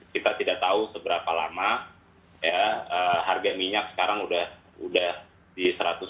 kita tidak tahu seberapa lama ya harga minyak sekarang udah di satu ratus sepuluh